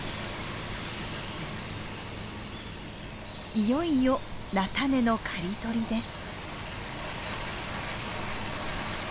いよいよ菜種の刈り取りです。